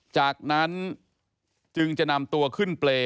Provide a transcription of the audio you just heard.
จากนั้นจึงจะนำตัวขึ้นเปรย์